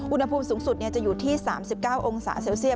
อุณหภูมิสูงสุดจะอยู่ที่๓๙องศาเซลเซียส